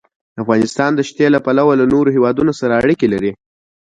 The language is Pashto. افغانستان د ښتې له پلوه له نورو هېوادونو سره اړیکې لري.